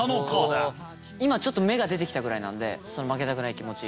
今、ちょっと芽が出てきたぐらいなんで、負けたくない気持ち。